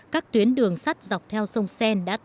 các tuyến đường sắt dọc theo sông seine đã tạm đồng